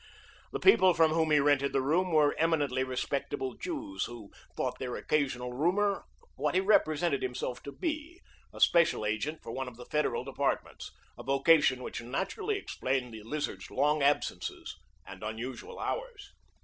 The people from whom he rented the room were eminently respectable Jews who thought their occasional roomer what he represented himself to be, a special agent for one of the federal departments, a vocation which naturally explained the Lizard's long absences and unusual hours.